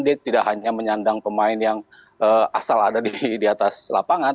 dia tidak hanya menyandang pemain yang asal ada di atas lapangan